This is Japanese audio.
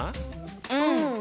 うん。